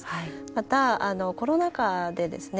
また、コロナ禍でですね